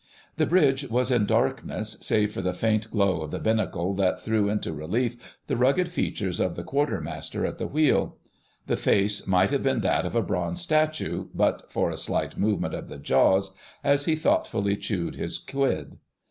The bridge was in darkness, save for the faint glow of the binnacle that threw into relief the rugged features of the Quartermaster at the wheel. The face might have been that of a bronze statue, but for a slight movement of the jaws as he thoughtfully chewed his quid.